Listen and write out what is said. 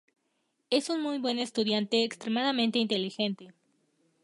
Es un muy buen estudiante, extremadamente inteligente.